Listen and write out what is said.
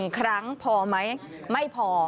๑ครั้งพอไหมไม่พอ